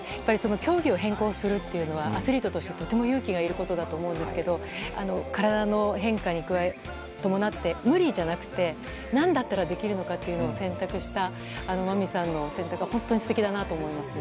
競技を変更するというのはアスリートとしてとても勇気がいることだと思うんですけど体の変化に伴って無理じゃなくて何だったらできるのかというのを選択した真海さんの選択は本当に素敵だなと思いますね。